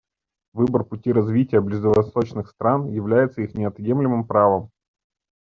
Выбор пути развития ближневосточных стран является их неотъемлемым правом.